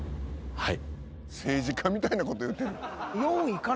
はい。